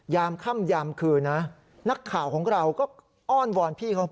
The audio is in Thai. ค่ำยามคืนนะนักข่าวของเราก็อ้อนวอนพี่เขา